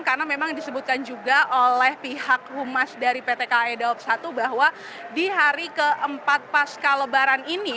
karena memang disebutkan juga oleh pihak humas dari pt kai daop satu bahwa di hari keempat pasca lebaran ini